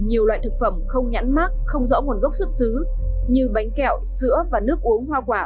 nhiều loại thực phẩm không nhãn mát không rõ nguồn gốc xuất xứ như bánh kẹo sữa và nước uống hoa quả